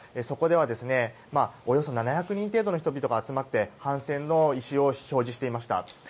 そこでは、およそ７００人程度の人々たちが集まって反戦の意思表示をしていました。